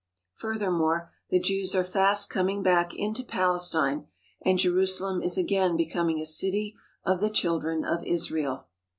Furthermore, the Jews are fast coming back into Palestine, and Jerusalem is again becoming a city of the Children of Israel.